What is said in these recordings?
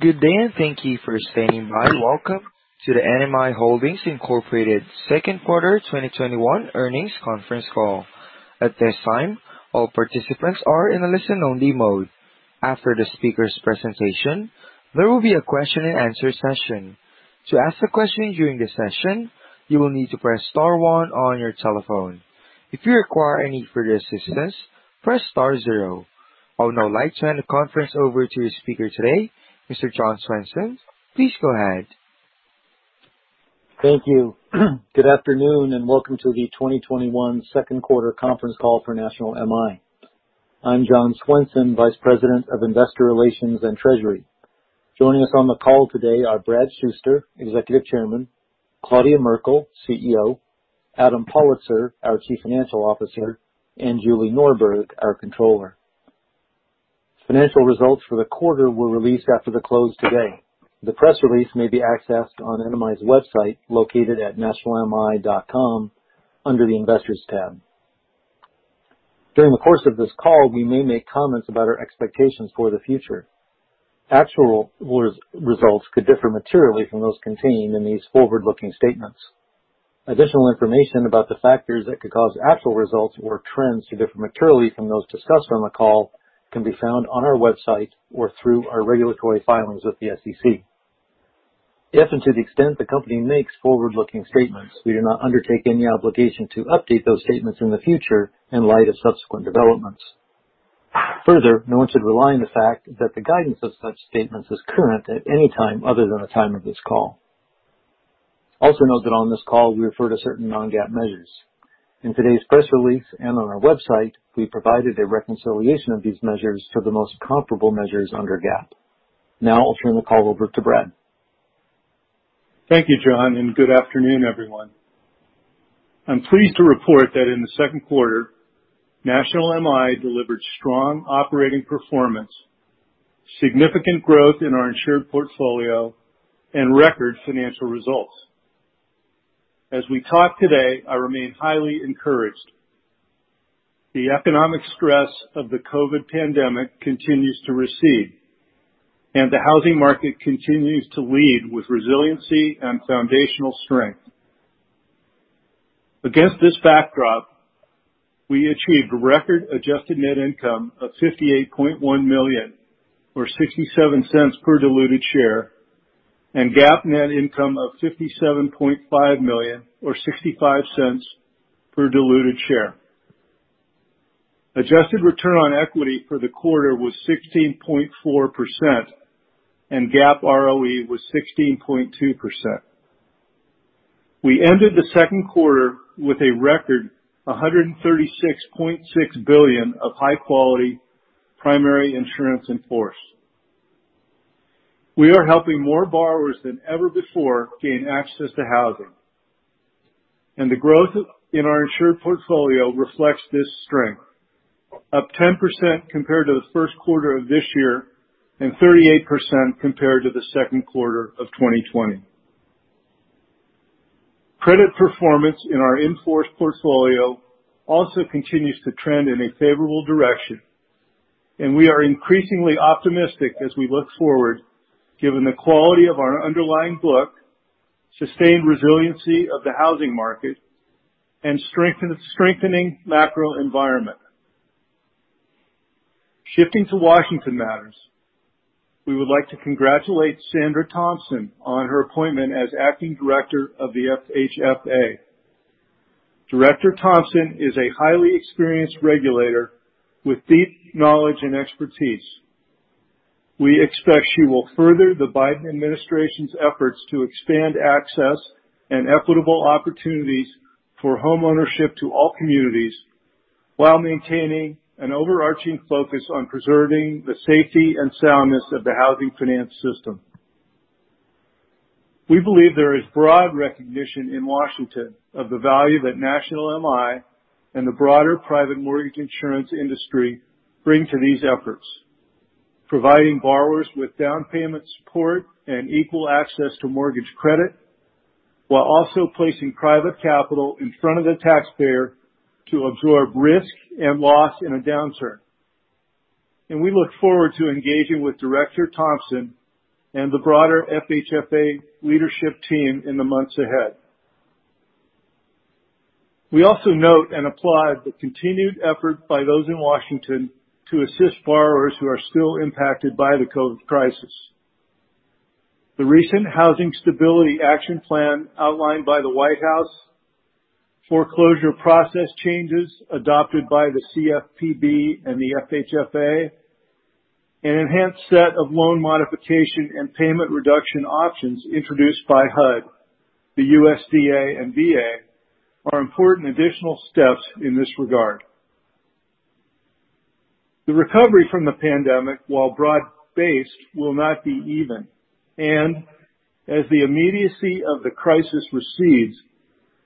Good day, and thank you for standing by. Welcome to the NMI Holdings, Inc. second quarter 2021 earnings conference call. At this time, all participants are in a listen-only mode. After the speaker's presentation, there will be a question and answer session. To ask a question during the session, you will need to press star one on your telephone. If you require any further assistance, press star zero. I would now like to hand the conference over to your speaker today, Mr. John Swenson. Please go ahead. Thank you. Good afternoon, welcome to the 2021 second quarter conference call for National MI. I'm John Swenson, Vice President of Investor Relations and Treasury. Joining us on the call today are Bradley Shuster, Executive Chairman, Claudia Merkle, CEO, Adam Pollitzer, our Chief Financial Officer, and Julie Norberg, our Controller. Financial results for the quarter were released after the close today. The press release may be accessed on NMI's website located at nationalmi.com, under the investors tab. During the course of this call, we may make comments about our expectations for the future. Actual results could differ materially from those contained in these forward-looking statements. Additional information about the factors that could cause actual results or trends to differ materially from those discussed on the call can be found on our website or through our regulatory filings with the SEC. If and to the extent the company makes forward-looking statements, we do not undertake any obligation to update those statements in the future in light of subsequent developments. No one should rely on the fact that the guidance of such statements is current at any time other than the time of this call. Note that on this call, we refer to certain non-GAAP measures. In today's press release and on our website, we provided a reconciliation of these measures for the most comparable measures under GAAP. I'll turn the call over to Brad. Thank you, John, and good afternoon, everyone. I'm pleased to report that in the second quarter, National MI delivered strong operating performance, significant growth in our insured portfolio, and record financial results. As we talk today, I remain highly encouraged. The economic stress of the COVID pandemic continues to recede, and the housing market continues to lead with resiliency and foundational strength. Against this backdrop, we achieved record adjusted net income of $58.1 million, or $0.67 per diluted share, and GAAP net income of $57.5 million, or $0.65 per diluted share. Adjusted return on equity for the quarter was 16.4%, and GAAP ROE was 16.2%. We ended the second quarter with a record $136.6 billion of high-quality primary insurance in force. We are helping more borrowers than ever before gain access to housing. The growth in our insured portfolio reflects this strength. Up 10% compared to the first quarter of this year, and 38% compared to Q2 2020. Credit performance in our in-force portfolio also continues to trend in a favorable direction, and we are increasingly optimistic as we look forward, given the quality of our underlying book, sustained resiliency of the housing market, and strengthening macro environment. Shifting to Washington matters. We would like to congratulate Sandra Thompson on her appointment as acting director of the FHFA. Director Thompson is a highly experienced regulator with deep knowledge and expertise. We expect she will further the Biden administration's efforts to expand access and equitable opportunities for homeownership to all communities, while maintaining an overarching focus on preserving the safety and soundness of the housing finance system. We believe there is broad recognition in Washington of the value that National MI and the broader private mortgage insurance industry bring to these efforts. Providing borrowers with down payment support and equal access to mortgage credit, while also placing private capital in front of the taxpayer to absorb risk and loss in a downturn. We look forward to engaging with Director Thompson and the broader FHFA leadership team in the months ahead. We also note and applaud the continued effort by those in Washington to assist borrowers who are still impacted by the COVID crisis. The recent housing stability action plan outlined by the White House, foreclosure process changes adopted by the CFPB and the FHFA, an enhanced set of loan modification and payment reduction options introduced by HUD, the USDA, and VA, are important additional steps in this regard. The recovery from the pandemic, while broad-based, will not be even, and as the immediacy of the crisis recedes,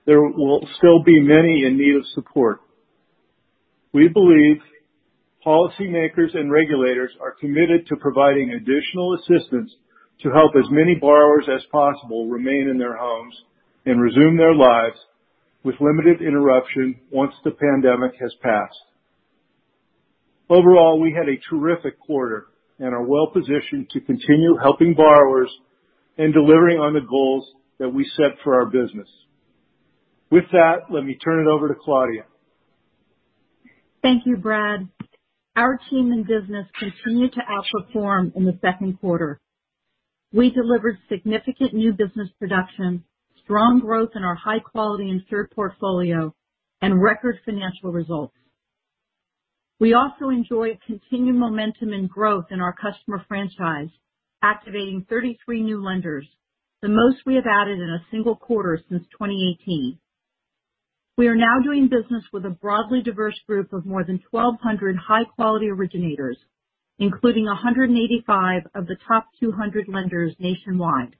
there will still be many in need of support. We believe policymakers and regulators are committed to providing additional assistance to help as many borrowers as possible remain in their homes and resume their lives with limited interruption once the pandemic has passed. Overall, we had a terrific quarter and are well-positioned to continue helping borrowers and delivering on the goals that we set for our business. With that, let me turn it over to Claudia. Thank you, Brad. Our team and business continued to outperform in the second quarter. We delivered significant new business production, strong growth in our high-quality insured portfolio, and record financial results. We also enjoyed continued momentum and growth in our customer franchise, activating 33 new lenders, the most we have added in a single quarter since 2018. We are now doing business with a broadly diverse group of more than 1,200 high-quality originators, including 185 of the top 200 lenders nationwide.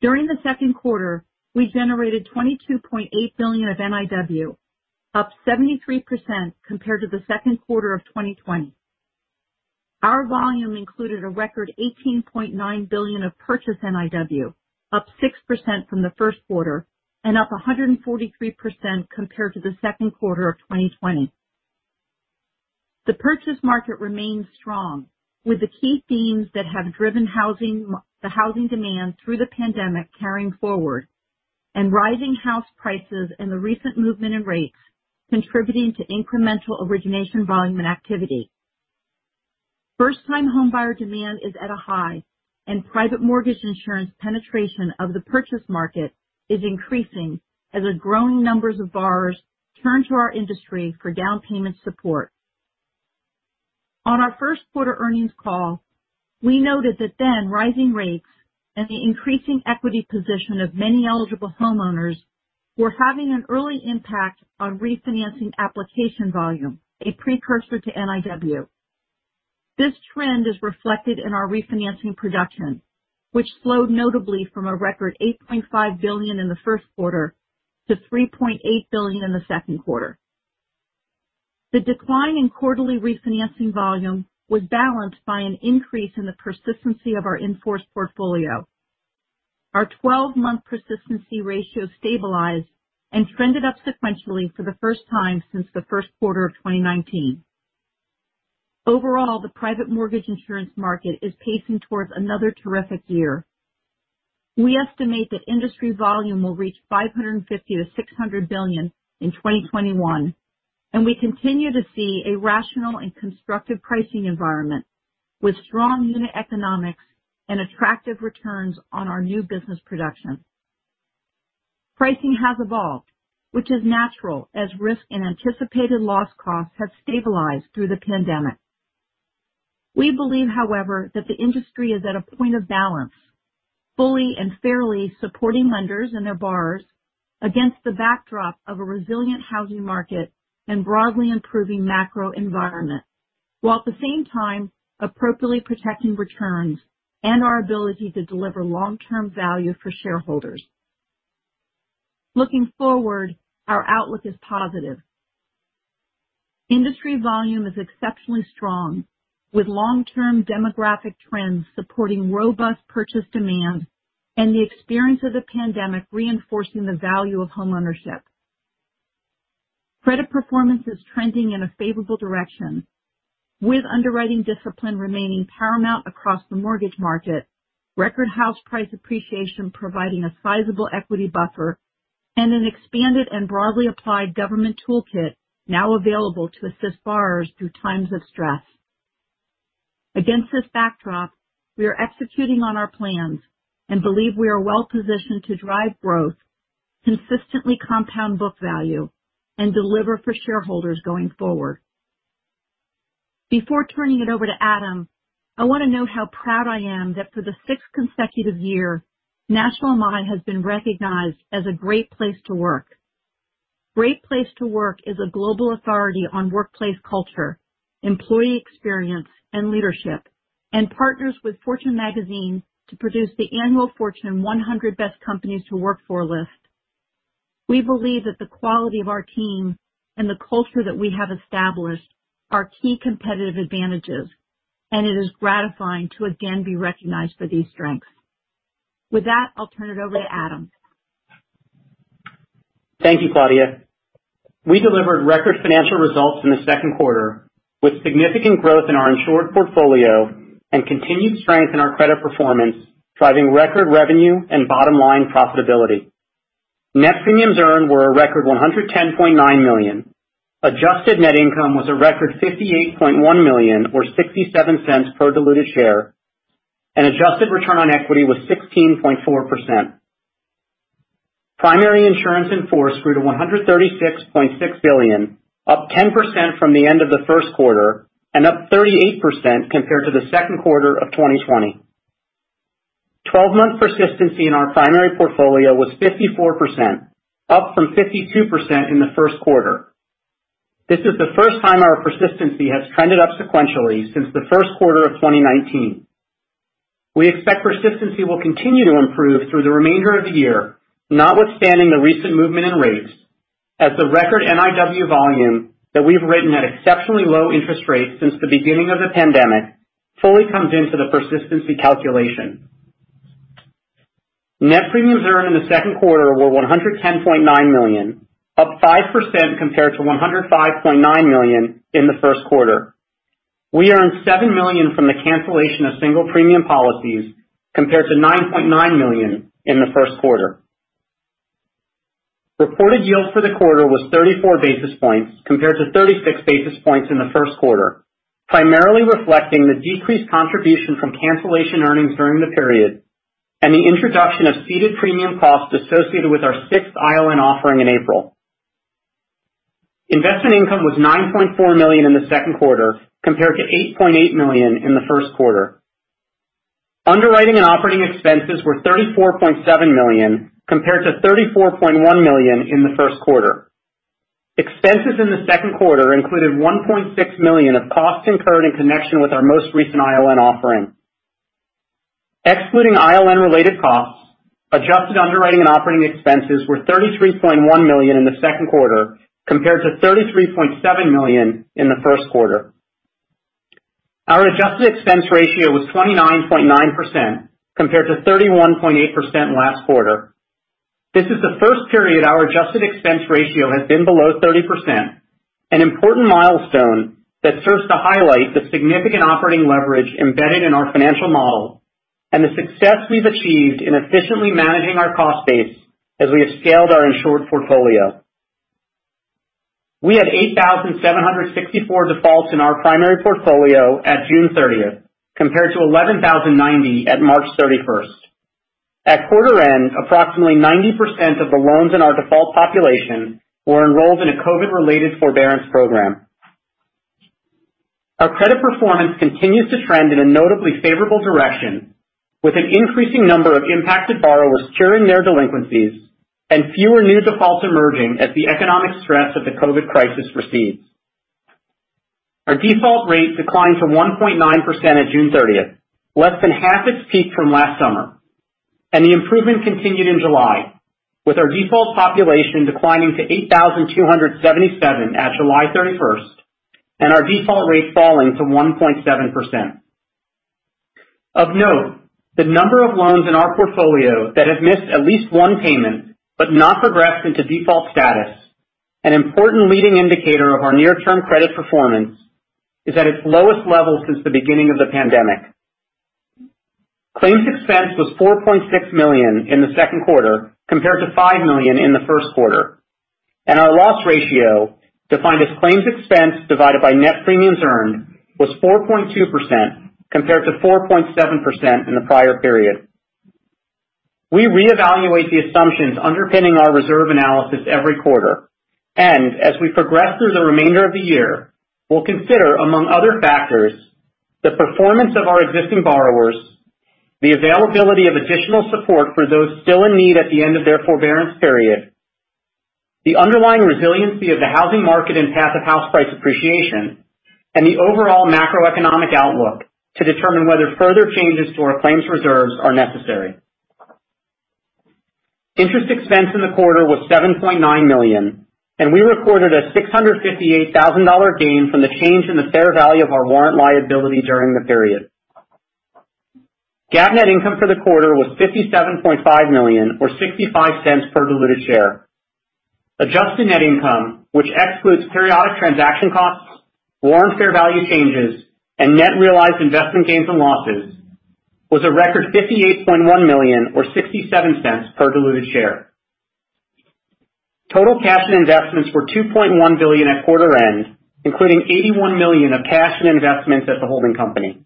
During the second quarter, we generated $22.8 billion of NIW, up 73% compared to the second quarter of 2020. Our volume included a record $18.9 billion of purchase NIW, up 6% from the first quarter and up 143% compared to the second quarter of 2020. The purchase market remains strong, with the key themes that have driven the housing demand through the pandemic carrying forward, and rising house prices and the recent movement in rates contributing to incremental origination volume and activity. First-time homebuyer demand is at a high, and private mortgage insurance penetration of the purchase market is increasing as a growing number of borrowers turn to our industry for down payment support. On our first quarter earnings call, we noted that then, rising rates and the increasing equity position of many eligible homeowners were having an early impact on refinancing application volume, a precursor to NIW. This trend is reflected in our refinancing production, which slowed notably from a record $8.5 billion in the first quarter to $3.8 billion in the second quarter. The decline in quarterly refinancing volume was balanced by an increase in the persistency of our in-force portfolio. Our 12-month persistency ratio stabilized and trended up sequentially for the first time since the first quarter of 2019. Overall, the private mortgage insurance market is pacing towards another terrific year. We estimate that industry volume will reach $550 billion-$600 billion in 2021, and we continue to see a rational and constructive pricing environment with strong unit economics and attractive returns on our new business production. Pricing has evolved, which is natural as risk and anticipated loss costs have stabilized through the pandemic. We believe, however, that the industry is at a point of balance, fully and fairly supporting lenders and their borrowers against the backdrop of a resilient housing market and broadly improving macro environment, while at the same time appropriately protecting returns and our ability to deliver long-term value for shareholders. Looking forward, our outlook is positive. Industry volume is exceptionally strong, with long-term demographic trends supporting robust purchase demand and the experience of the pandemic reinforcing the value of homeownership. Credit performance is trending in a favorable direction, with underwriting discipline remaining paramount across the mortgage market, record house price appreciation providing a sizable equity buffer, and an expanded and broadly applied government toolkit now available to assist borrowers through times of stress. Against this backdrop, we are executing on our plans and believe we are well-positioned to drive growth, consistently compound book value, and deliver for shareholders going forward. Before turning it over to Adam, I want to note how proud I am that for the sixth consecutive year, National MI has been recognized as a Great Place to Work. Great Place to Work is a global authority on workplace culture, employee experience, and leadership, and partners with Fortune magazine to produce the annual Fortune 100 Best Companies to Work For list. We believe that the quality of our team and the culture that we have established are key competitive advantages, and it is gratifying to again be recognized for these strengths. With that, I'll turn it over to Adam. Thank you, Claudia. We delivered record financial results in the second quarter, with significant growth in our insured portfolio and continued strength in our credit performance, driving record revenue and bottom-line profitability. Net premiums earned were a record $110.9 million. Adjusted net income was a record $58.1 million, or $0.67 per diluted share, and adjusted return on equity was 16.4%. Primary insurance in force grew to $136.6 billion, up 10% from the end of the first quarter and up 38% compared to the second quarter of 2020. 12-month persistency in our primary portfolio was 54%, up from 52% in the first quarter. This is the first time our persistency has trended up sequentially since the first quarter of 2019. We expect persistency will continue to improve through the remainder of the year, notwithstanding the recent movement in rates, as the record NIW volume that we've written at exceptionally low interest rates since the beginning of the pandemic fully comes into the persistency calculation.net premiums earned in the second quarter were $110.9 million, up 5% compared to $105.9 million in the first quarter. We earned $7 million from the cancellation of single premium policies, compared to $9.9 million in the first quarter. Reported yields for the quarter was 34 basis points, compared to 36 basis points in the first quarter, primarily reflecting the decreased contribution from cancellation earnings during the period, and the introduction of ceded premium costs associated with our sixth ILN offering in April. investment income was $9.4 million in the second quarter, compared to $8.8 million in the first quarter. Underwriting and operating expenses were $34.7 million, compared to $34.1 million in the first quarter. Expenses in the second quarter included $1.6 million of costs incurred in connection with our most recent ILN offering. Excluding ILN-related costs, adjusted underwriting and operating expenses were $33.1 million in the second quarter, compared to $33.7 million in the first quarter. Our adjusted expense ratio was 29.9%, compared to 31.8% last quarter. This is the first period our adjusted expense ratio has been below 30%, an important milestone that serves to highlight the significant operating leverage embedded in our financial model and the success we've achieved in efficiently managing our cost base as we have scaled our insured portfolio. We had 8,764 defaults in our primary portfolio at June 30, compared to 11,090 at March 31. At quarter end, approximately 90% of the loans in our default population were enrolled in a COVID-related forbearance program. Our credit performance continues to trend in a notably favorable direction, with an increasing number of impacted borrowers curing their delinquencies and fewer new defaults emerging as the economic stress of the COVID crisis recedes. Our default rate declined to 1.9% at June 30th, less than half its peak from last summer, and the improvement continued in July, with our default population declining to 8,277 at July 31st, and our default rate falling to 1.7%. Of note, the number of loans in our portfolio that have missed at least one payment, but not progressed into default status, an important leading indicator of our near term credit performance, is at its lowest level since the beginning of the pandemic. Claims expense was $4.6 million in the second quarter, compared to $5 million in the first quarter, and our loss ratio, defined as claims expense divided by net premiums earned, was 4.2%, compared to 4.7% in the prior period. We reevaluate the assumptions underpinning our reserve analysis every quarter, and as we progress through the remainder of the year, we'll consider, among other factors, the performance of our existing borrowers, the availability of additional support for those still in need at the end of their forbearance period, the underlying resiliency of the housing market and path of house price appreciation, and the overall macroeconomic outlook to determine whether further changes to our claims reserves are necessary. Interest expense in the quarter was $7.9 million, and we recorded a $658,000 gain from the change in the fair value of our warrant liability during the period. GAAP net income for the quarter was $57.5 million or $0.65 per diluted share. Adjusted net income, which excludes periodic transaction costs, warrant fair value changes, and net realized investment gains and losses, was a record $58.1 million or $0.67 per diluted share. Total cash and investments were $2.1 billion at quarter end, including $81 million of cash and investments at the holding company.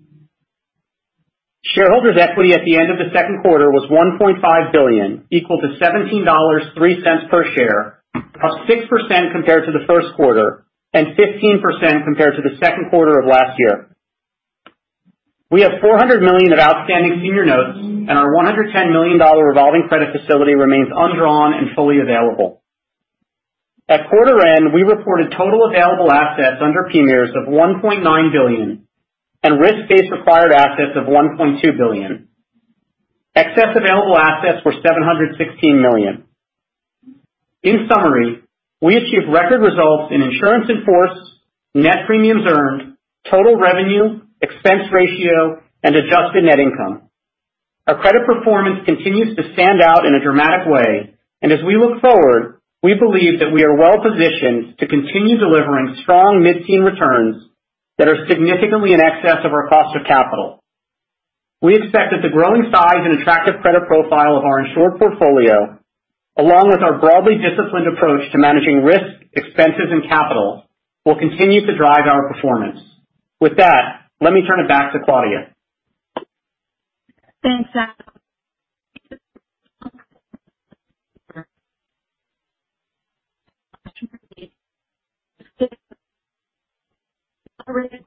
Shareholders' equity at the end of the second quarter was $1.5 billion, equal to $17.03 per share, up 6% compared to the first quarter and 15% compared to the second quarter of last year. We have $400 million of outstanding senior notes, our $110 million revolving credit facility remains undrawn and fully available. At quarter end, we reported total available assets under PMIERs of $1.9 billion and risk-based required assets of $1.2 billion. Excess available assets were $716 million. In summary, we achieved record results in insurance in force, net premiums earned, total revenue, expense ratio, and adjusted net income. Our credit performance continues to stand out in a dramatic way, and as we look forward, we believe that we are well positioned to continue delivering strong mid-teen returns that are significantly in excess of our cost of capital. We expect that the growing size and attractive credit profile of our insured portfolio, along with our broadly disciplined approach to managing risk, expenses, and capital, will continue to drive our performance. With that, let me turn it back to Claudia. Thanks, Adam.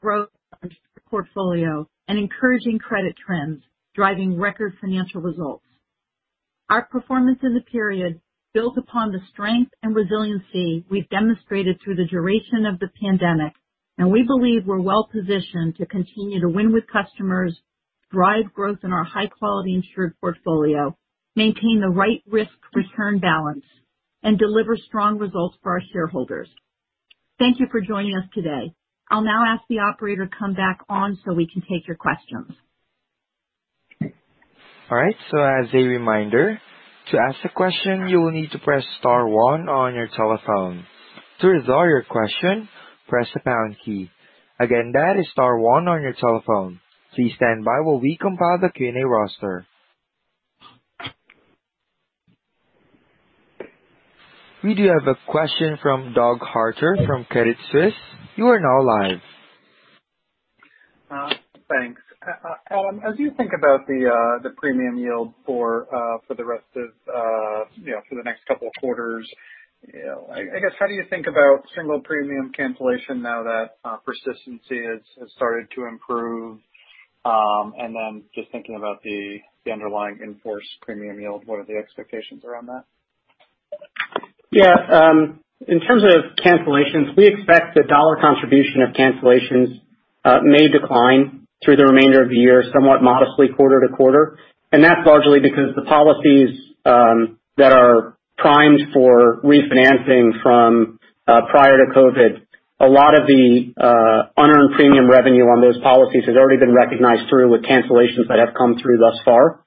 Growth portfolio and encouraging credit trends, driving record financial results. Our performance in the period builds upon the strength and resiliency we've demonstrated through the duration of the pandemic. We believe we're well positioned to continue to win with customers, drive growth in our high-quality insured portfolio, maintain the right risk-return balance, and deliver strong results for our shareholders. Thank you for joining us today. I'll now ask the operator to come back on so we can take your questions. All right, as a reminder, to ask a question, you will need to press star one on your telephone. To withdraw your question, press the pound key. Again, that is star one on your telephone. Please stand by while we compile the Q&A roster. We do have a question from Douglas Harter from Credit Suisse. You are now live. Thanks. Adam, as you think about the premium yield for the next 2 quarters, I guess, how do you think about single premium cancellation now that persistency has started to improve? Just thinking about the underlying in-force premium yield, what are the expectations around that? Yeah. In terms of cancellations, we expect the dollar contribution of cancellations may decline through the remainder of the year, somewhat modestly quarter to quarter. That's largely because the policies that are primed for refinancing from prior to COVID, a lot of the unearned premium revenue on those policies has already been recognized through with cancellations that have come through thus far.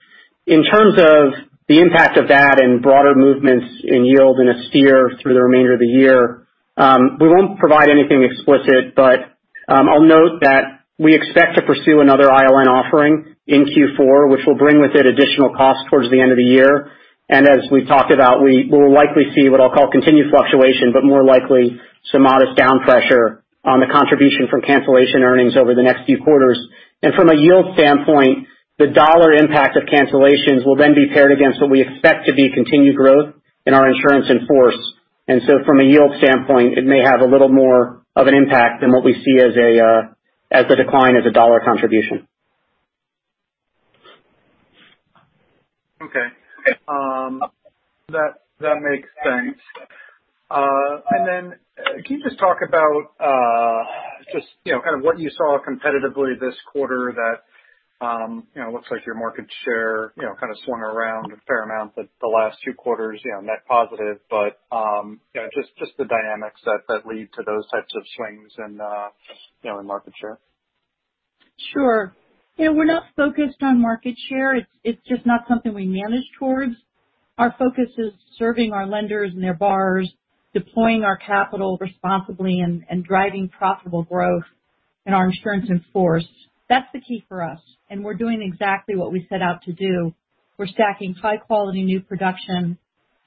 In terms of the impact of that and broader movements in yield and a sphere through the remainder of the year, we won't provide anything explicit, but I'll note that we expect to pursue another ILN offering in Q4, which will bring with it additional costs towards the end of the year. As we've talked about, we will likely see what I'll call continued fluctuation, but more likely some modest down pressure on the contribution from cancellation earnings over the next few quarters. From a yield standpoint, the dollar impact of cancellations will then be paired against what we expect to be continued growth in our insurance in force. From a yield standpoint, it may have a little more of an impact than what we see as a decline as a dollar contribution. Okay. That makes sense. Can you just talk about just kind of what you saw competitively this quarter that looks like your market share kind of swung around a fair amount that the last two quarters, net positive, but just the dynamics that lead to those types of swings in the market share? Sure. We're not focused on market share. It's just not something we manage towards. Our focus is serving our lenders and their borrowers, deploying our capital responsibly, and driving profitable growth in our insurance in force. That's the key for us. We're doing exactly what we set out to do. We're stacking high-quality new production,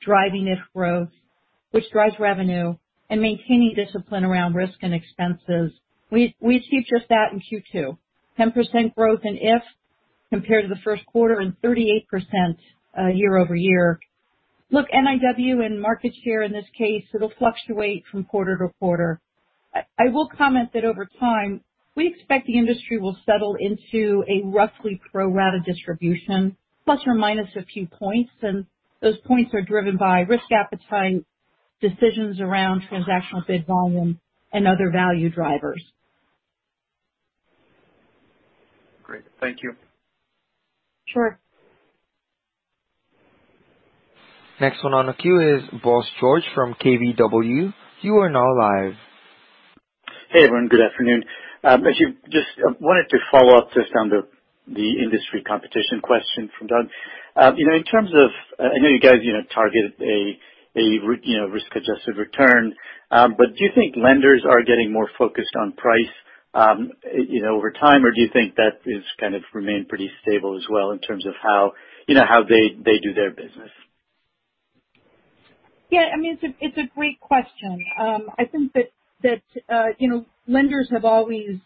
driving IF growth, which drives revenue, and maintaining discipline around risk and expenses. We achieved just that in Q2. 10% growth in IF compared to the first quarter. 38% year-over-year. NIW and market share, in this case, it'll fluctuate from quarter-to-quarter. I will comment that over time, we expect the industry will settle into a roughly pro-rata distribution, plus or minus a few points. Those points are driven by risk appetite, decisions around transactional bid volume, and other value drivers. Great. Thank you. Sure. Next one on the queue is Bose George from KBW. You are now live. Hey, everyone. Good afternoon. I just wanted to follow up just on the industry competition question from Doug. In terms of, I know you guys target a risk-adjusted return, but do you think lenders are getting more focused on price over time, or do you think that has kind of remained pretty stable as well in terms of how they do their business? Yeah. It's a great question. I think that lenders have always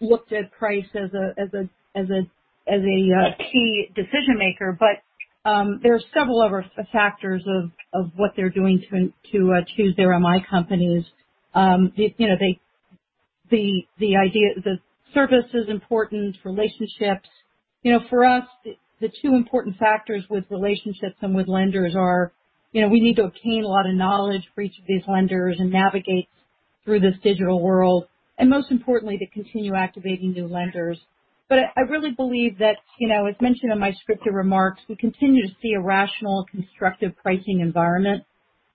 looked at price as a key decision-maker, but there are several other factors of what they're doing to choose their MI companies. The service is important, relationships. For us, the two important factors with relationships and with lenders are, we need to obtain a lot of knowledge for each of these lenders and navigate through this digital world, and most importantly, to continue activating new lenders. I really believe that, as mentioned in my scripted remarks, we continue to see a rational, constructive pricing environment.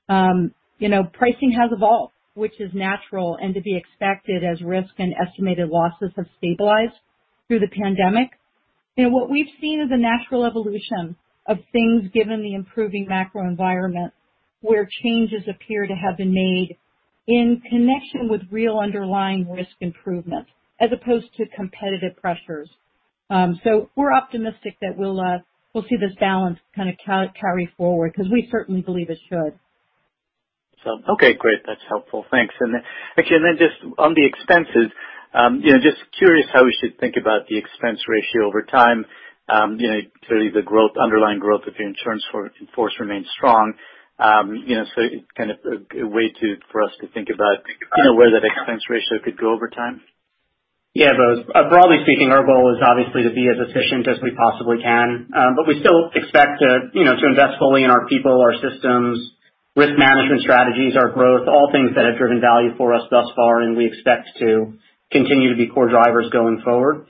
Pricing has evolved, which is natural and to be expected as risk and estimated losses have stabilized through the pandemic. What we've seen is a natural evolution of things given the improving macro environment, where changes appear to have been made in connection with real underlying risk improvement as opposed to competitive pressures. We're optimistic that we'll see this balance kind of carry forward because we certainly believe it should. Okay, great. That's helpful. Thanks. Actually, just on the expenses, just curious how we should think about the expense ratio over time. Clearly the underlying growth of the insurance in force remains strong. It's kind of a way for us to think about where that expense ratio could go over time. Yeah, Bose. Broadly speaking, our goal is obviously to be as efficient as we possibly can, but we still expect to invest fully in our people, our systems, risk management strategies, our growth, all things that have driven value for us thus far, and we expect to continue to be core drivers going forward.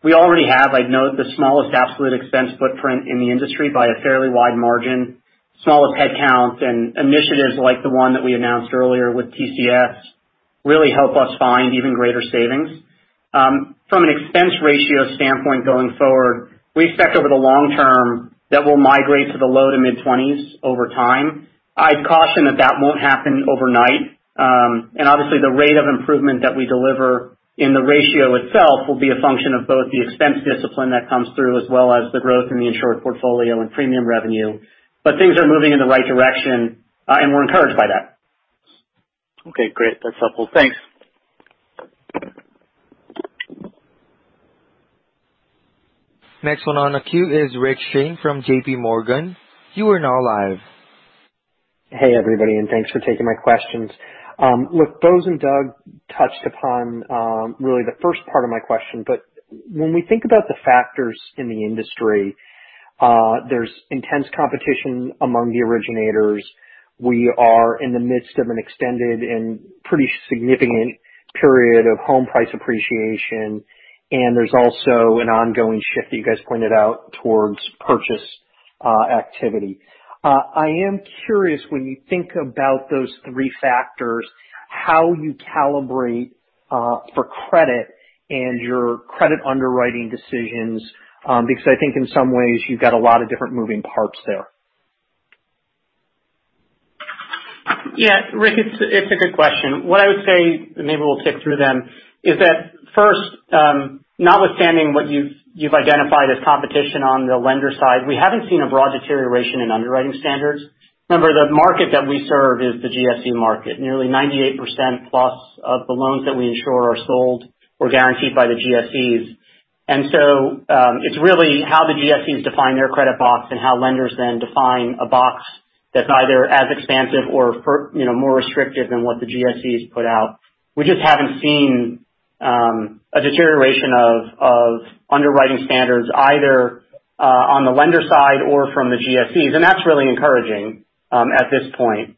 We already have, I know, the smallest absolute expense footprint in the industry by a fairly wide margin, smallest headcount, and initiatives like the one that we announced earlier with TCS really help us find even greater savings. From an expense ratio standpoint going forward, we expect over the long term that we'll migrate to the low to mid-20s over time. I'd caution that that won't happen overnight. Obviously the rate of improvement that we deliver in the ratio itself will be a function of both the expense discipline that comes through, as well as the growth in the insured portfolio and premium revenue. Things are moving in the right direction, and we're encouraged by that. Okay, great. That's helpful. Thanks. Next one on the queue is Rick Shane from JPMorgan. Hey, everybody, thanks for taking my questions. Look, Bose and Doug touched upon really the first part of my question, but when we think about the factors in the industry, there's intense competition among the originators. We are in the midst of an extended and pretty significant period of home price appreciation, and there's also an ongoing shift that you guys pointed out towards purchase activity. I am curious when you think about those three factors, how you calibrate for credit and your credit underwriting decisions, because I think in some ways you've got a lot of different moving parts there. Yeah. Rick, it's a good question. What I would say, and maybe we'll pick through them, is that first, notwithstanding what you've identified as competition on the lender side, we haven't seen a broad deterioration in underwriting standards. Remember, the market that we serve is the GSE market. Nearly 98% plus of the loans that we insure are sold or guaranteed by the GSEs. It's really how the GSEs define their credit box and how lenders then define a box that's either as expansive or more restrictive than what the GSEs put out. We just haven't seen a deterioration of underwriting standards either, on the lender side or from the GSEs, and that's really encouraging, at this point,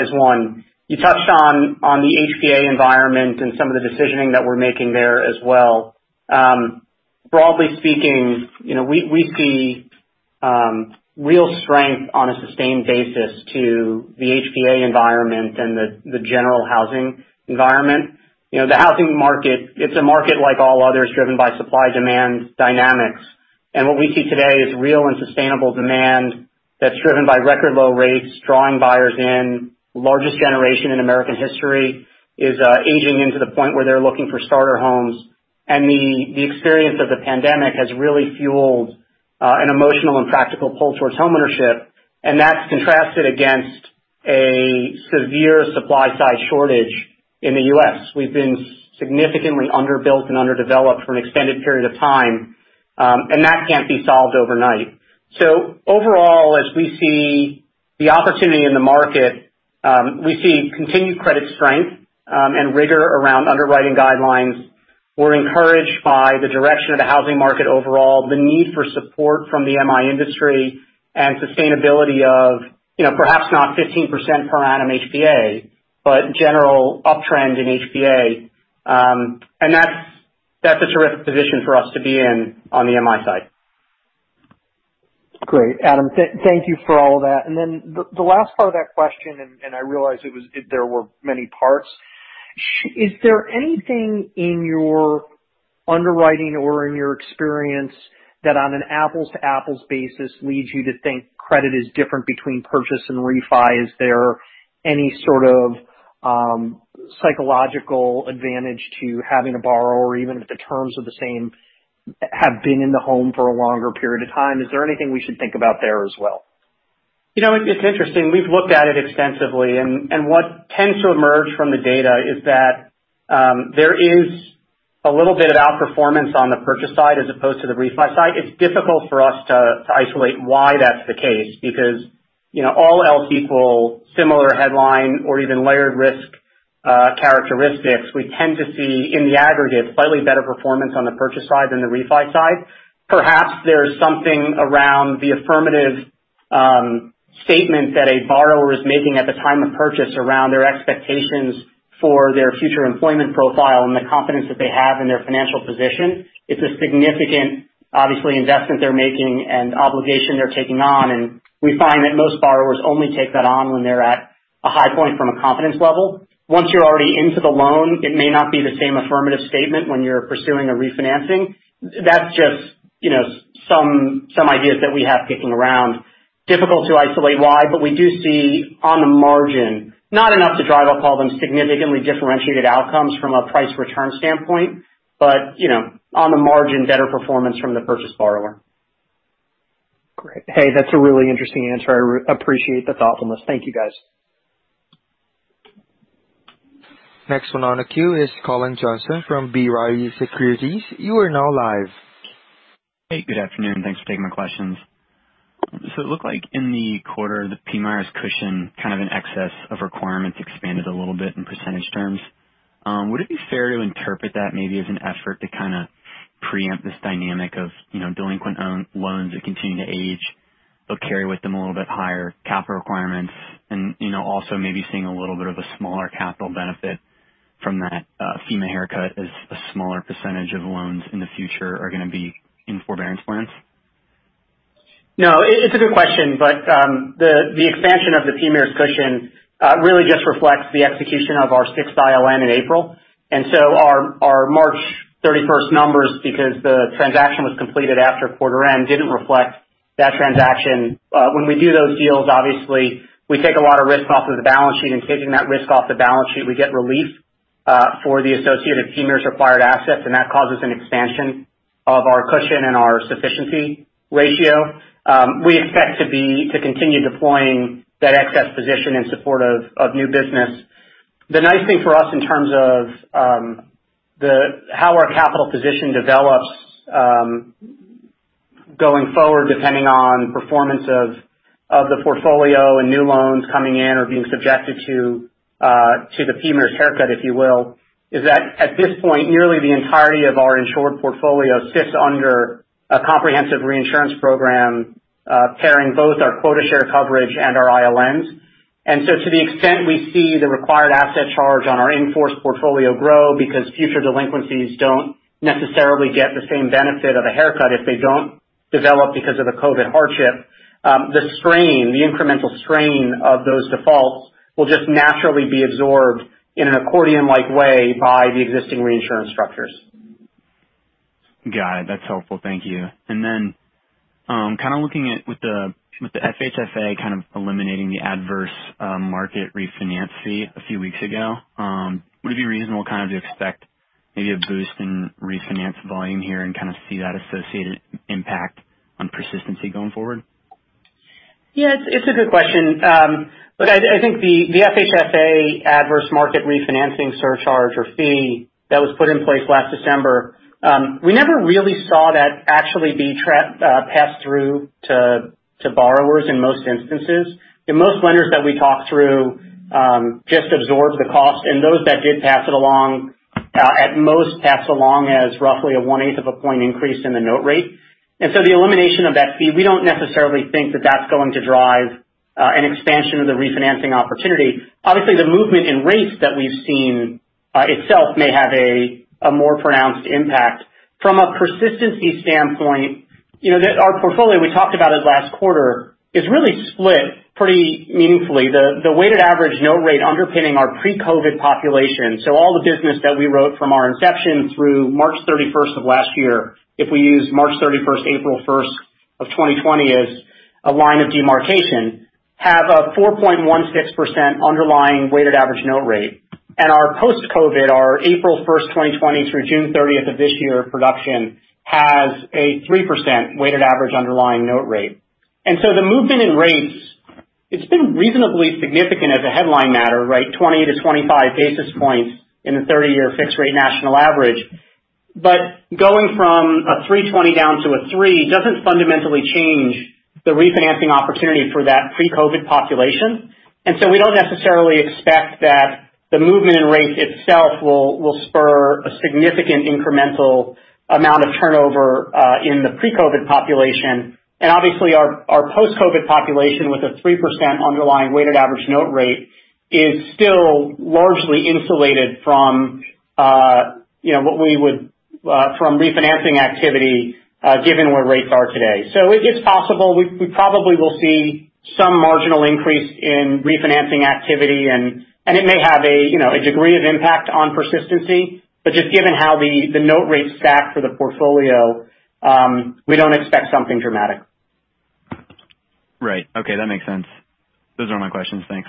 is one. You touched on the HPA environment and some of the decisioning that we're making there as well. Broadly speaking, we see real strength on a sustained basis to the HPA environment and the general housing environment. The housing market, it's a market like all others, driven by supply-demand dynamics. What we see today is real and sustainable demand that's driven by record low rates, drawing buyers in. Largest generation in American history is aging into the point where they're looking for starter homes. The experience of the pandemic has really fueled an emotional and practical pull towards homeownership, and that's contrasted against a severe supply side shortage in the U.S. We've been significantly underbuilt and underdeveloped for an extended period of time. That can't be solved overnight. Overall, as we see the opportunity in the market, we see continued credit strength, and rigor around underwriting guidelines. We're encouraged by the direction of the housing market overall, the need for support from the MI industry and sustainability of perhaps not 15% per annum HPA, but general uptrend in HPA. That's a terrific position for us to be in on the MI side. Great, Adam. Thank you for all of that. The last part of that question, and I realize there were many parts. Is there anything in your underwriting or in your experience that on an apples-to-apples basis leads you to think credit is different between purchase and refi? Is there any sort of psychological advantage to having a borrower, even if the terms are the same, have been in the home for a longer period of time? Is there anything we should think about there as well? It's interesting. We've looked at it extensively, and what tends to emerge from the data is that there is a little bit of outperformance on the purchase side as opposed to the refi side. It's difficult for us to isolate why that's the case because all else equal, similar headline or even layered risk characteristics, we tend to see in the aggregate, slightly better performance on the purchase side than the refi side. Perhaps there's something around the affirmative statement that a borrower is making at the time of purchase around their expectations for their future employment profile and the confidence that they have in their financial position. It's a significant, obviously, investment they're making and obligation they're taking on, and we find that most borrowers only take that on when they're at a high point from a confidence level. Once you're already into the loan, it may not be the same affirmative statement when you're pursuing a refinancing. That's just some ideas that we have kicking around. Difficult to isolate why. We do see on the margin, not enough to drive up call them significantly differentiated outcomes from a price return standpoint, but on the margin, better performance from the purchase borrower. Great. Hey, that's a really interesting answer. I appreciate the thoughtfulness. Thank you, guys. Next one on the queue is Cullen Johnson from B. Riley Securities. You are now live. Hey, good afternoon. Thanks for taking my questions. It looked like in the quarter, the PMIERs cushion kind of in excess of requirements expanded a little bit in percentage terms. Would it be fair to interpret that maybe as an effort to kind of preempt this dynamic of delinquent loans that continue to age? They'll carry with them a little bit higher capital requirements and also maybe seeing a little bit of a smaller capital benefit from that PMIERs haircut as a smaller percent of loans in the future are going to be in forbearance plans. No, it's a good question. The expansion of the PMIERs cushion really just reflects the execution of our sixth ILN in April. Our March 31st numbers, because the transaction was completed after quarter end, didn't reflect that transaction. When we do those deals, obviously, we take a lot of risk off of the balance sheet. In taking that risk off the balance sheet, we get relief for the associated PMIERs required assets, and that causes an expansion of our cushion and our sufficiency ratio. We expect to continue deploying that excess position in support of new business. The nice thing for us in terms of how our capital position develops, going forward, depending on performance of the portfolio and new loans coming in or being subjected to the PMIERs haircut, if you will, is that at this point, nearly the entirety of our insured portfolio sits under a comprehensive reinsurance program pairing both our quota share coverage and our ILNs. To the extent we see the required asset charge on our in-force portfolio grow because future delinquencies don't necessarily get the same benefit of a haircut if they don't develop because of a COVID hardship. The incremental strain of those defaults will just naturally be absorbed in an accordion-like way by the existing reinsurance structures. Got it. That's helpful. Thank you. Then, looking at with the FHFA kind of eliminating the adverse market refinance fee a few weeks ago, would it be reasonable to expect maybe a boost in refinance volume here and kind of see that associated impact on persistency going forward? Yeah, it's a good question. Look, I think the FHFA adverse market refinancing surcharge or fee that was put in place last December, we never really saw that actually being passed through to borrowers in most instances. Most lenders that we talked through just absorbed the cost, and those that did pass it along, at most passed along as roughly a one-eighth of a point increase in the note rate. The elimination of that fee, we don't necessarily think that that's going to drive an expansion of the refinancing opportunity. Obviously, the movement in rates that we've seen itself may have a more pronounced impact. From a persistency standpoint, our portfolio we talked about it last quarter is really split pretty meaningfully. The weighted average note rate underpinning our pre-COVID population. All the business that we wrote from our inception through March 31st of last year, if we use March 31st, April 1st, 2020 as a line of demarcation, have a 4.16% underlying weighted average note rate. Our post-COVID, our April 1st, 2020 through June 30th of this year production has a 3% weighted average underlying note rate. The movement in rates, it's been reasonably significant as a headline matter, right, 20-25 basis points in the 30-year fixed rate national average. Going from a 320 down to a 3 doesn't fundamentally change the refinancing opportunity for that pre-COVID population. We don't necessarily expect that the movement in rates itself will spur a significant incremental amount of turnover in the pre-COVID population. Obviously our post-COVID population with a 3% underlying weighted average note rate is still largely insulated from refinancing activity, given where rates are today. It's possible. We probably will see some marginal increase in refinancing activity, and it may have a degree of impact on persistency. Just given how the note rates stack for the portfolio, we don't expect something dramatic. Right. Okay. That makes sense. Those are all my questions. Thanks.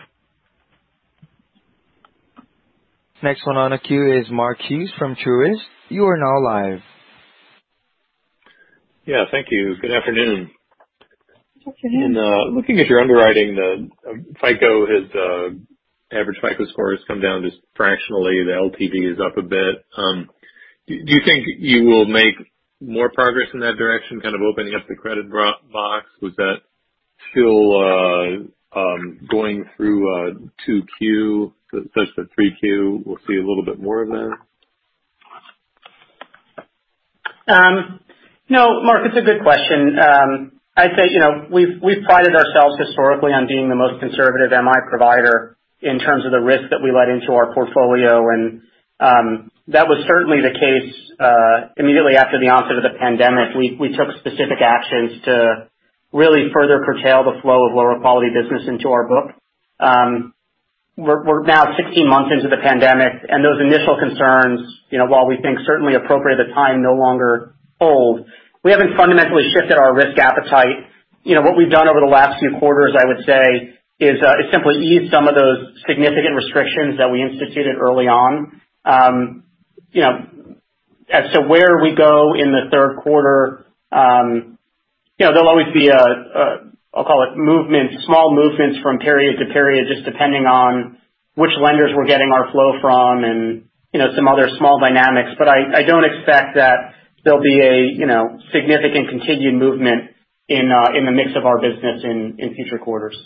Next one on the queue is Mark Hughes from Truist. You are now live. Yeah. Thank you. Good afternoon. Good afternoon. In looking at your underwriting, the average FICO score has come down just fractionally. The LTV is up a bit. Do you think you will make more progress in that direction, kind of opening up the credit box? Was that still going through 2Q? Such that 3Q, we'll see a little bit more of that? No, Mark, it's a good question. I'd say we've prided ourselves historically on being the most conservative MI provider in terms of the risk that we let into our portfolio. That was certainly the case immediately after the onset of the pandemic. We took specific actions to really further curtail the flow of lower quality business into our book. We're now 16 months into the pandemic, and those initial concerns, while we think certainly appropriate at the time, no longer hold. We haven't fundamentally shifted our risk appetite. What we've done over the last few quarters, I would say, is simply ease some of those significant restrictions that we instituted early on. As to where we go in the third quarter, there'll always be, I'll call it small movements from period to period, just depending on which lenders we're getting our flow from and some other small dynamics. I don't expect that there'll be a significant continued movement in the mix of our business in future quarters.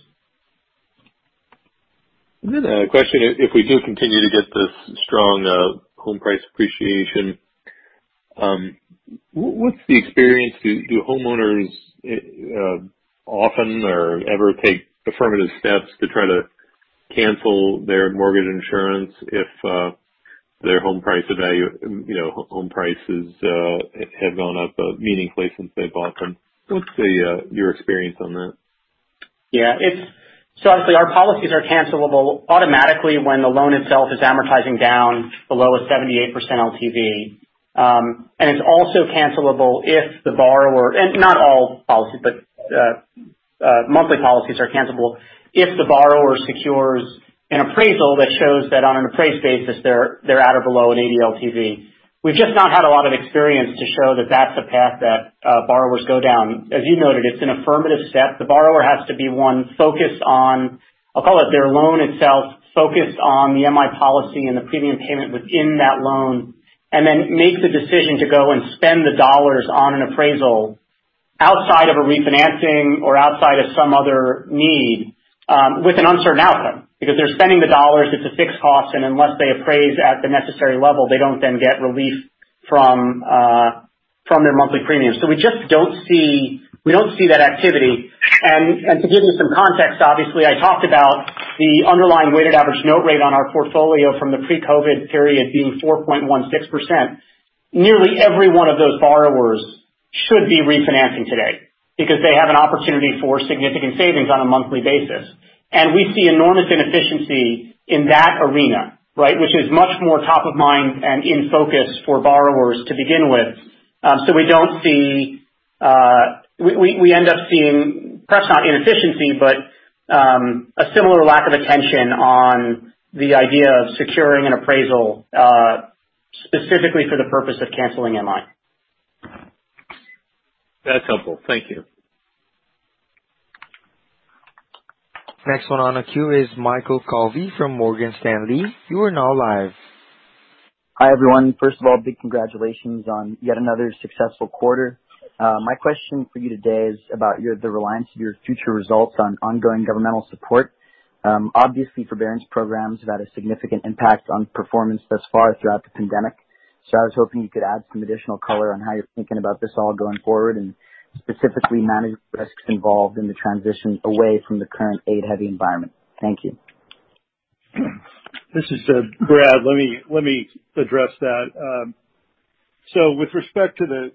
A question, if we do continue to get this strong home price appreciation, what's the experience? Do homeowners often or ever take affirmative steps to try to cancel their mortgage insurance if their home price has gone up meaningfully since they bought them? What's your experience on that? Yeah. Obviously our policies are cancelable automatically when the loan itself is amortizing down below a 78% LTV. It's also cancelable if not all policies, but monthly policies are cancelable if the borrower secures an appraisal that shows that on an appraised basis, they're at or below an 80% LTV. We've just not had a lot of experience to show that that's a path that borrowers go down. As you noted, it's an affirmative step. The borrower has to be, one, focused on, I'll call it their loan itself, focused on the MI policy and the premium payment within that loan, and then make the decision to go and spend the dollars on an appraisal outside of a refinancing or outside of some other need, with an uncertain outcome. Because they're spending the dollars, it's a fixed cost, and unless they appraise at the necessary level, they don't then get relief from their monthly premiums. We just don't see that activity. To give you some context, obviously, I talked about the underlying weighted average note rate on our portfolio from the pre-COVID period being 4.16%. Nearly every one of those borrowers should be refinancing today because they have an opportunity for significant savings on a monthly basis. We see enormous inefficiency in that arena, which is much more top of mind and in focus for borrowers to begin with. We end up seeing, perhaps not inefficiency, but a similar lack of attention on the idea of securing an appraisal specifically for the purpose of canceling MI. That's helpful. Thank you. Next one on the queue is Michael Carvelli from Morgan Stanley. You are now live. Hi, everyone. First of all, big congratulations on yet another successful quarter. My question for you today is about the reliance of your future results on ongoing governmental support. Obviously, forbearance programs have had a significant impact on performance thus far throughout the pandemic. I was hoping you could add some additional color on how you're thinking about this all going forward, and specifically manage risks involved in the transition away from the current aid-heavy environment. Thank you. This is Brad. Let me address that. With respect to the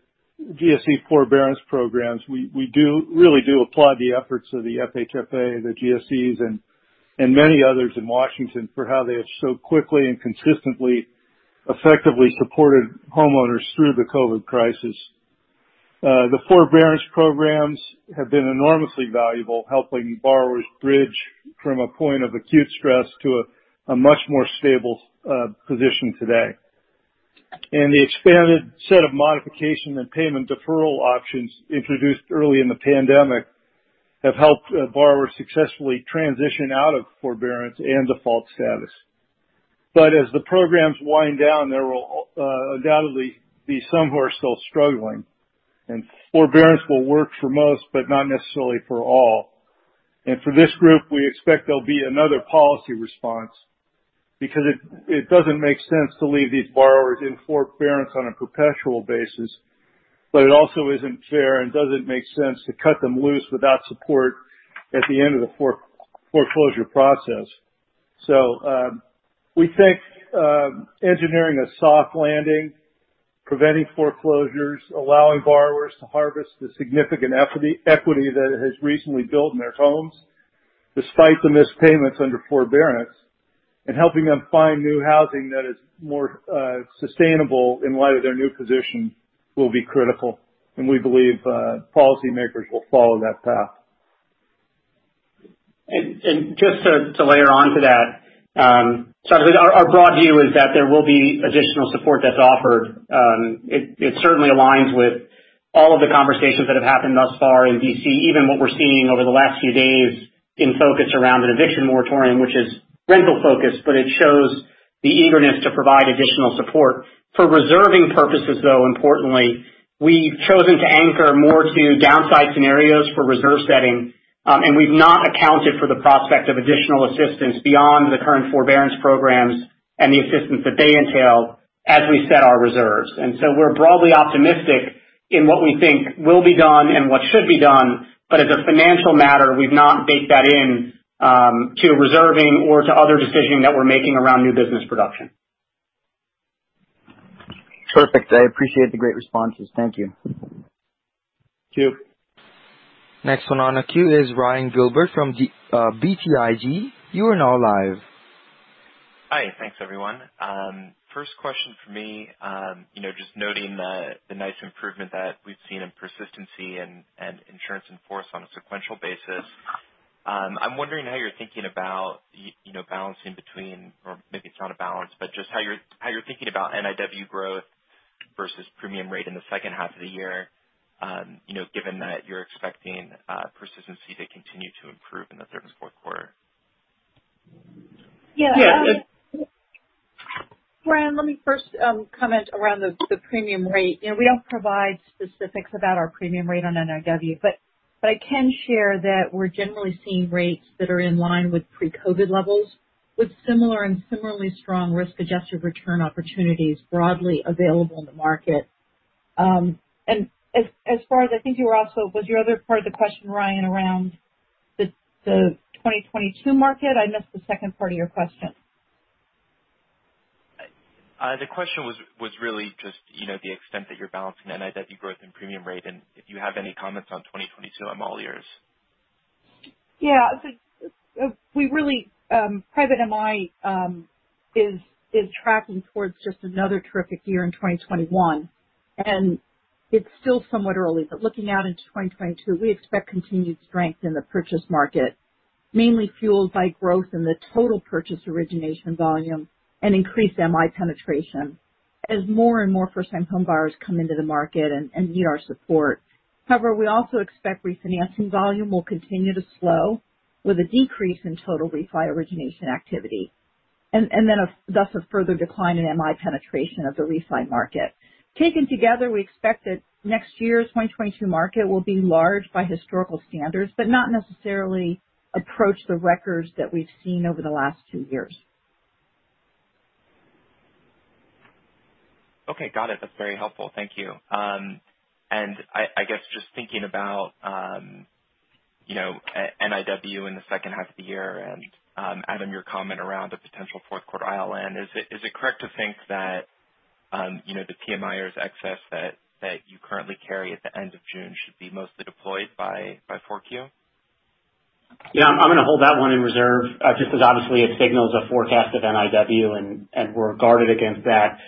GSE forbearance programs, we really do applaud the efforts of the FHFA, the GSEs, and many others in Washington for how they have so quickly and consistently effectively supported homeowners through the COVID crisis. The forbearance programs have been enormously valuable, helping borrowers bridge from a point of acute stress to a much more stable position today. The expanded set of modification and payment deferral options introduced early in the pandemic have helped borrowers successfully transition out of forbearance and default status. As the programs wind down, there will undoubtedly be some who are still struggling. Forbearance will work for most, but not necessarily for all. For this group, we expect there'll be another policy response because it doesn't make sense to leave these borrowers in forbearance on a perpetual basis. It also isn't fair and doesn't make sense to cut them loose without support at the end of the foreclosure process. We think engineering a soft landing, preventing foreclosures, allowing borrowers to harvest the significant equity that has recently built in their homes, despite the missed payments under forbearance, and helping them find new housing that is more sustainable in light of their new position will be critical, and we believe policymakers will follow that path. Just to layer onto that. Our broad view is that there will be additional support that's offered. It certainly aligns with all of the conversations that have happened thus far in D.C., even what we're seeing over the last few days in focus around an eviction moratorium, which is rental-focused, but it shows the eagerness to provide additional support. For reserving purposes, though, importantly, we've chosen to anchor more to downside scenarios for reserve setting, and we've not accounted for the prospect of additional assistance beyond the current forbearance programs and the assistance that they entail as we set our reserves. We're broadly optimistic in what we think will be done and what should be done. As a financial matter, we've not baked that in to reserving or to other decisions that we're making around new business production. Perfect. I appreciate the great responses. Thank you. Thank you. Next one on the queue is Ryan Gilbert from BTIG. Hi. Thanks, everyone. First question from me. Just noting the nice improvement that we've seen in persistency and insurance in force on a sequential basis. I'm wondering how you're thinking about balancing between, or maybe it's not a balance, but just how you're thinking about NIW growth versus premium rate in the second half of the year, given that you're expecting persistency to continue to improve in the third and fourth quarter. Yeah. Ryan, let me first comment around the premium rate. We don't provide specifics about our premium rate on NIW, but I can share that we're generally seeing rates that are in line with pre-COVID levels with similar and similarly strong risk-adjusted return opportunities broadly available in the market. Was your other part of the question, Ryan, around the 2022 market? I missed the second part of your question. The question was really just the extent that you're balancing NIW growth and premium rate, and if you have any comments on 2022, I'm all ears. Yeah. Private MI is tracking towards just another terrific year in 2021. It's still somewhat early, but looking out into 2022, we expect continued strength in the purchase market, mainly fueled by growth in the total purchase origination volume and increased MI penetration as more and more first-time home buyers come into the market and need our support. However, we also expect refinancing volume will continue to slow with a decrease in total refi origination activity. Thus a further decline in MI penetration of the refi market. Taken together, we expect that next year's, 2022 market will be large by historical standards, but not necessarily approach the records that we've seen over the last 2 years. Okay. Got it. That's very helpful. Thank you. I guess just thinking about NIW in the second half of the year and, Adam, your comment around a potential fourth quarter ILN, is it correct to think that the PMIERs excess that you currently carry at the end of June should be mostly deployed by 4Q? Yeah. I'm going to hold that 1 in reserve, just because obviously it signals a forecast of NIW, and we're guarded against that.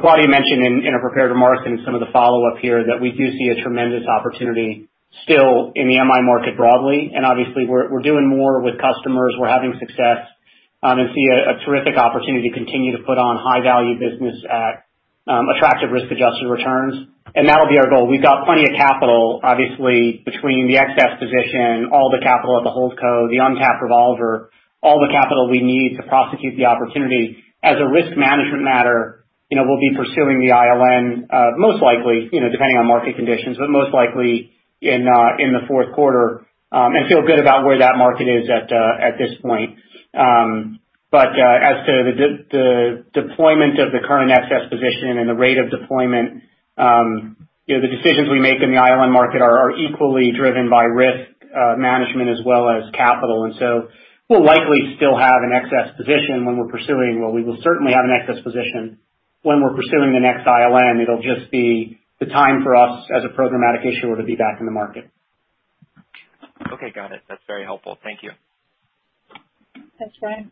Claudia mentioned in her prepared remarks and some of the follow-up here that we do see a tremendous opportunity still in the MI market broadly. Obviously we're doing more with customers. We're having success and see a terrific opportunity to continue to put on high-value business at attractive risk-adjusted returns, and that'll be our goal. We've got plenty of capital, obviously, between the excess position, all the capital at the hold co, the untapped revolver, all the capital we need to prosecute the opportunity. As a risk management matter, we'll be pursuing the ILN, most likely, depending on market conditions, but most likely in the 4th quarter, and feel good about where that market is at this point. As to the deployment of the current excess position and the rate of deployment, the decisions we make in the ILN market are equally driven by risk management as well as capital. We'll likely still have an excess position when we're pursuing, well, we will certainly have an excess position when we're pursuing the next ILN. It'll just be the time for us as a programmatic issuer to be back in the market. Okay. Got it. That's very helpful. Thank you. Thanks, Ryan.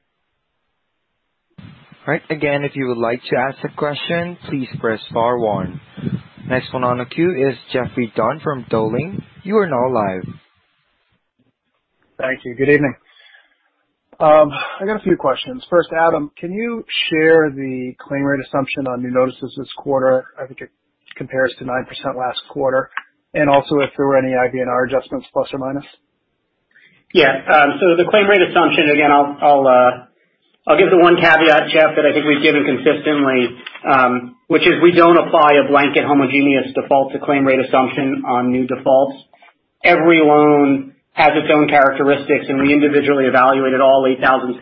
All right. Again, if you would like to ask a question, please press star one. Next one on the queue is Geoffrey Dunn from Dowling. You are now live. Thank you. Good evening. I got a few questions. First, Adam, can you share the claim rate assumption on new notices this quarter? I think it compares to 9% last quarter. Also if there were any IBNR adjustments, plus or minus. Yeah. The claim rate assumption, again, I'll give the one caveat, Geoff, that I think we've given consistently, which is we don't apply a blanket homogeneous default to claim rate assumption on new defaults. Every loan has its own characteristics, and we individually evaluated all 8,764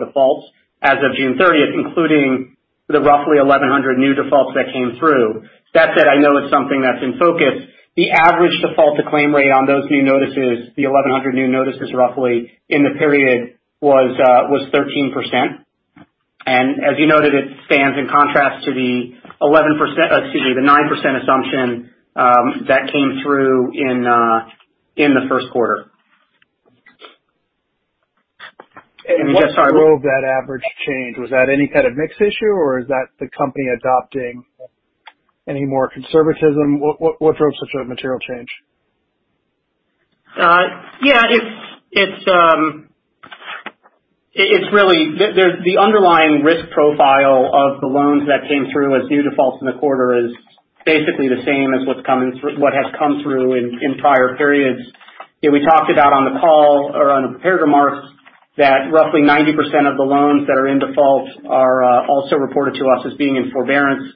defaults as of June 30th, including the roughly 1,100 new defaults that came through. That said, I know it's something that's in focus. The average default to claim rate on those new notices, the 1,100 new notices roughly in the period was 13%, and as you noted, it stands in contrast to the 9% assumption that came through in the first quarter. What drove that average change? Was that any kind of mix issue, or is that the company adopting any more conservatism? What drove such a material change? Yeah. The underlying risk profile of the loans that came through as new defaults in the quarter is basically the same as what has come through in prior periods. We talked about on the call or on prepared remarks that roughly 90% of the loans that are in default are also reported to us as being in forbearance.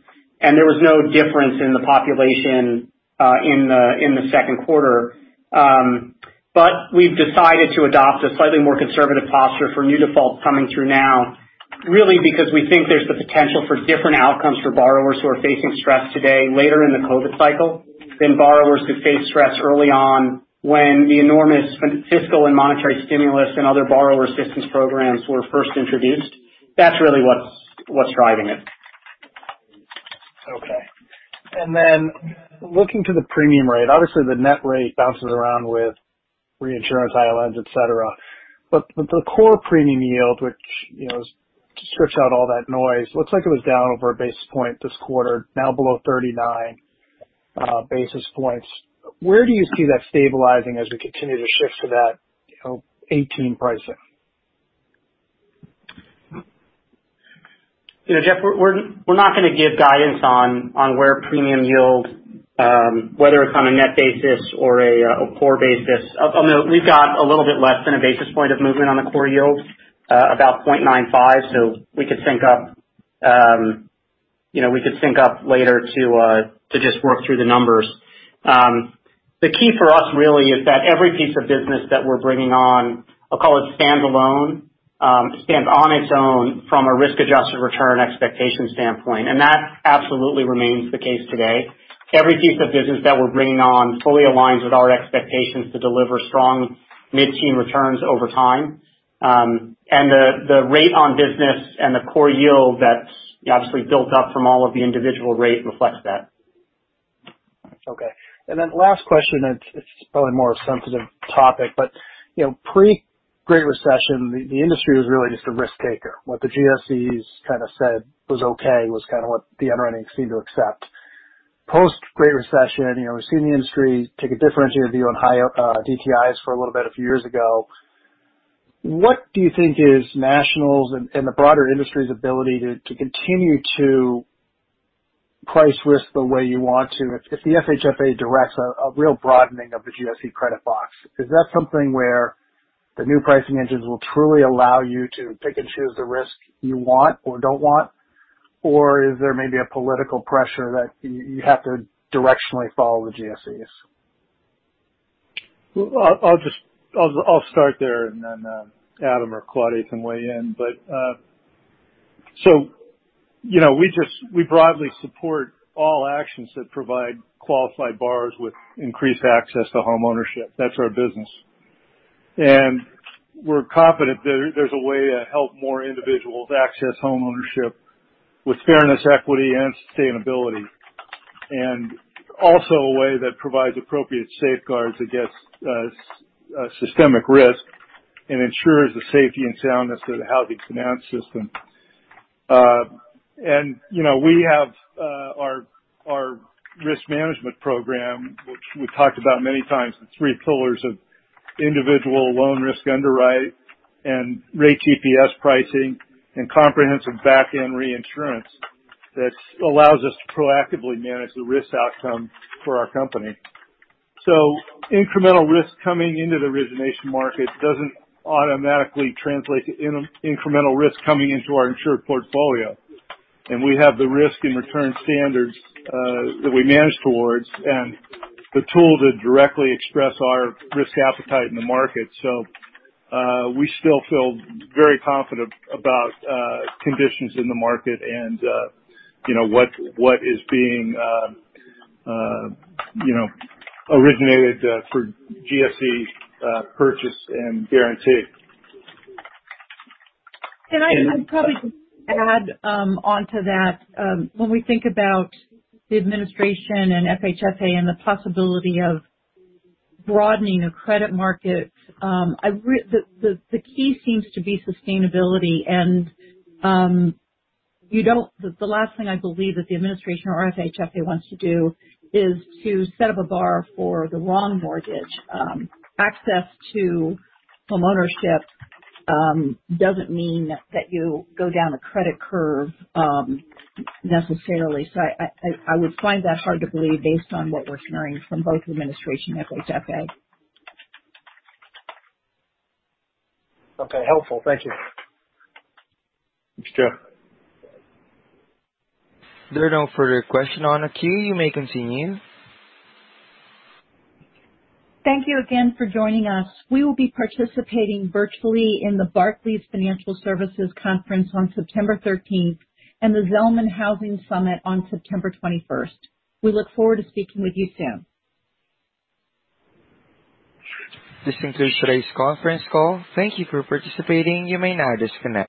There was no difference in the population in the second quarter. We've decided to adopt a slightly more conservative posture for new defaults coming through now, really because we think there's the potential for different outcomes for borrowers who are facing stress today later in the COVID cycle than borrowers who faced stress early on when the enormous fiscal and monetary stimulus and other borrower assistance programs were first introduced. That's really what's driving it. Okay. Looking to the premium rate, obviously the net rate bounces around with reinsurance ILNs, et cetera. The core premium yield, which strips out all that noise, looks like it was down over 1 basis point this quarter, now below 39 basis points. Where do you see that stabilizing as we continue to shift to that 18 pricing? Geoffrey, we're not going to give guidance on where premium yield, whether it's on a net basis or a core basis. I'll note, we've got a little bit less than a basis point of movement on the core yield, about 0.95. We could sync up later to just work through the numbers. The key for us really is that every piece of business that we're bringing on, I'll call it standalone, stands on its own from a risk-adjusted return expectation standpoint, and that absolutely remains the case today. Every piece of business that we're bringing on fully aligns with our expectations to deliver strong mid-teen returns over time. The rate on business and the core yield that's obviously built up from all of the individual rate reflects that. Okay. Last question. It's probably more of a sensitive topic. Pre-Great Recession, the industry was really just a risk-taker. What the GSEs said was okay, was kind of what the underwriting seemed to accept. Post-Great Recession, we've seen the industry take a differentiated view on high DTIs for a little bit a few years ago. What do you think is National's and the broader industry's ability to continue to price risk the way you want to if the FHFA directs a real broadening of the GSE credit box? Is that something where the new pricing engines will truly allow you to pick and choose the risk you want or don't want? Is there maybe a political pressure that you have to directionally follow the GSEs? I'll start there and then Adam or Claudia can weigh in. We broadly support all actions that provide qualified borrowers with increased access to homeownership. That's our business. We're confident there's a way to help more individuals access homeownership with fairness, equity, and sustainability. Also a way that provides appropriate safeguards against systemic risk and ensures the safety and soundness of the housing finance system. We have our risk management program, which we've talked about many times. The 3 pillars of individual loan risk underwriting and Rate GPS pricing and comprehensive back-end reinsurance that allows us to proactively manage the risk outcome for our company. Incremental risk coming into the origination market doesn't automatically translate to incremental risk coming into our insured portfolio. We have the risk and return standards that we manage towards and the tool to directly express our risk appetite in the market. We still feel very confident about conditions in the market and what is being originated for GSE purchase and guaranteed. Can I probably just add onto that? When we think about the administration and FHFA and the possibility of broadening of credit markets, the key seems to be sustainability. The last thing I believe that the administration or FHFA wants to do is to set up a bar for the wrong mortgage. Access to homeownership doesn't mean that you go down a credit curve necessarily. I would find that hard to believe based on what we're hearing from both the administration and FHFA. Okay. Helpful. Thank you. Thanks, Geoff. There are no further questions on the queue. You may continue. Thank you again for joining us. We will be participating virtually in the Barclays Financial Services Conference on September 13th and the Zelman Housing Summit on September 21st. We look forward to speaking with you soon. This concludes today's conference call. Thank you for participating. You may now disconnect.